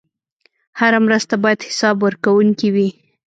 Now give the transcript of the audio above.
هره مرسته باید حسابورکونکې وي.